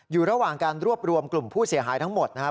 อยู่ระหว่างการรวบรวมกลุ่มผู้เสียหายทั้งหมดนะครับ